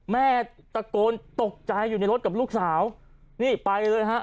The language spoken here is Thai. แม่ตะโกนตกใจอยู่ในรถกับลูกสาวนี่ไปเลยฮะ